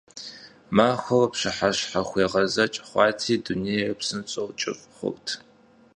Махуэр пщыхьэщхьэ хуегъэзэкӀ хъуати, дунейр псынщӀэу кӀыфӀ хъурт.